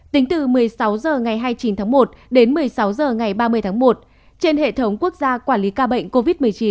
tính từ một mươi sáu h ngày hai mươi chín tháng một đến một mươi sáu h ngày ba mươi tháng một trên hệ thống quốc gia quản lý ca bệnh covid một mươi chín